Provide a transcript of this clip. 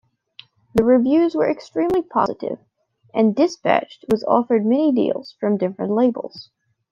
The reviews were extremely positive and Dispatched was offered many deals from different labels.